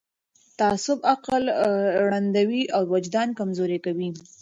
تعصب عقل ړندوي او وجدان کمزوری کوي